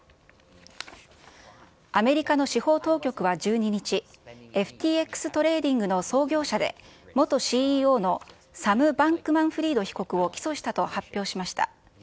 アメリカの司法当局は１２日、ＦＴＸトレーディングの創業者で、元ＣＥＯのサム・バンクマンフリード被告を起訴したと発表しました。